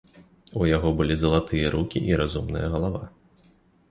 У яго былі залатыя рукі і разумная галава.